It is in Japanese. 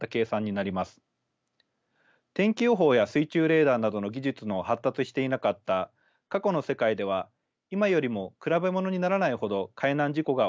天気予報や水中レーダーなどの技術の発達していなかった過去の世界では今よりも比べ物にならないほど海難事故が起こっていました。